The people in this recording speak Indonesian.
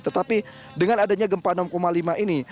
tetapi dengan adanya gempa enam lima ini